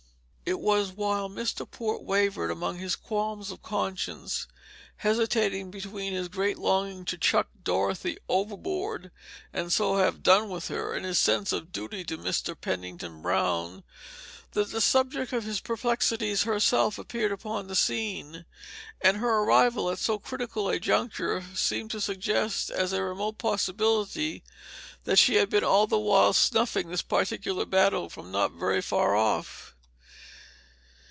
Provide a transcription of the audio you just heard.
It was while Mr. Port wavered among his qualms of conscience, hesitating between his great longing to chuck Dorothy overboard, and so have done with her, and his sense of duty to Mr. Pennington Brown, that the subject of his perplexities herself appeared upon the scene; and her arrival at so critical a juncture seemed to suggest as a remote possibility that she had been all the while snuffing this particular battle from not very far off.